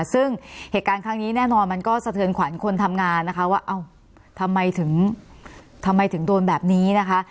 ซึ่งเหตุการณ์ครั้งนี้แน่นอนมันก็สะเทือนขวัญคนทำงานนะคะว่าเอ้าทำไมถึงทำไมถึงโดนแบบนี้นะคะ